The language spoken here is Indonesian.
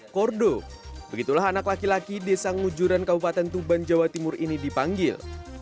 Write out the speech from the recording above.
kordo begitulah anak laki laki desa ngujuran kabupaten tuban jawa timur ini dipanggil